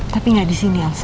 tapi gak disini alsa